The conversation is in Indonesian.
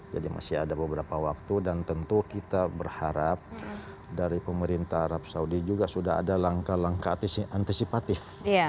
jadi masih ada beberapa waktu dan tentu kita berharap dari pemerintah arab saudi juga sudah ada langkah langkah antisipatif